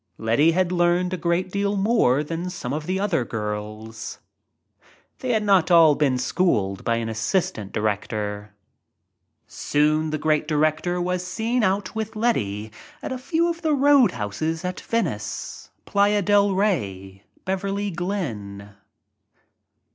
Letty had learned a great deal more than some of the other girls — they had not all been schooled by an assistant director. Soon the great director was seen out with Letty at a few of the soadhouses at Venice, Playa del Rey, Beverly Glen.